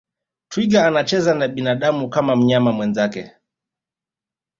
twiga anacheza na binadamu kama mnyama mwenzake